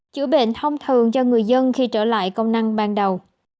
chữa bệnh thông thường cho người dân khi trở lại công năng ban đầu